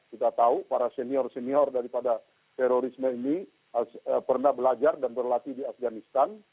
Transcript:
kita tahu para senior senior daripada terorisme ini pernah belajar dan berlatih di afganistan